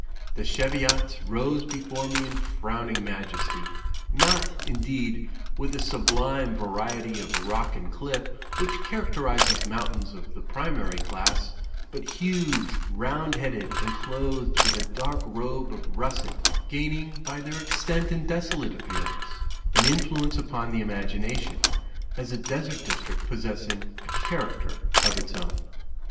The Cheviots rose before me in frowning majesty; not, indeed, with the sublime variety of rock and cliff which characterizes mountains of the primary class but huge, round headed, and clothed with a dark robe of russet, gaining, by their extent and desolate appearance, an influence upon the imagination, as a desert district possessing a character of its own.